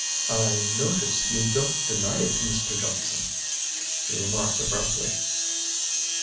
"I notice you don't deny it, Mr. Johnson," she remarked abruptly.